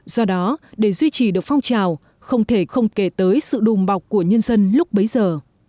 do đó để duy trì được phong trào không thể không kể tới sự đùm bọc của nhân dân lúc bấy giờ